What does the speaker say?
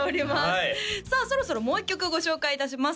はいさあそろそろもう一曲ご紹介いたします